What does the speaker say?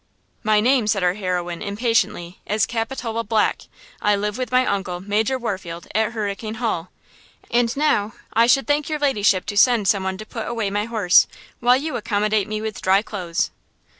"My name," said our heroine, impatiently, "is Capitola Black! I live with my uncle, Major Warfield, at Hurricane Hall! And now, I should thank your ladyship to send some one to put away my horse, while you yourself accommodate me with dry clothes."